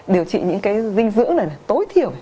điều trị những cái dinh dưỡng này là tối thiểu